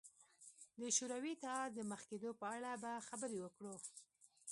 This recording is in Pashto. د شوروي اتحاد د مخ کېدو په اړه به خبرې وکړو.